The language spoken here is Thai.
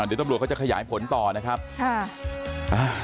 เดี๋ยวตำรวจเขาจะขยายผลต่อนะครับค่ะ